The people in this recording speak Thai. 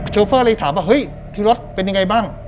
โชเฟอร์เลยถามว่าเฮ้ยที่รถเป็นยังไงบ้าง